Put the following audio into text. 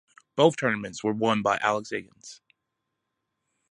Both tournaments were won by Alex Higgins.